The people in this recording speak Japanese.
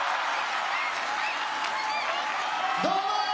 どうも！